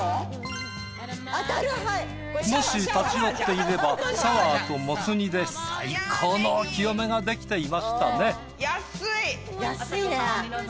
もし立ち寄っていればサワーともつ煮で最高のお清めができていましたね。